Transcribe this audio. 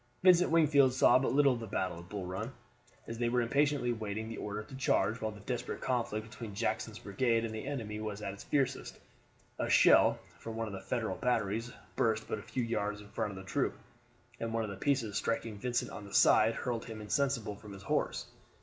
Vincent Wingfield saw but little of the battle at Bull Run. As they were impatiently waiting the order to charge while the desperate conflict between Jackson's brigade and the enemy was at its fiercest, a shell from one of the Federal batteries burst a few yards in front of the troop, and one of the pieces striking Vincent on the side hurled him insensible from his horse.